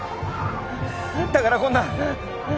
だからこんな。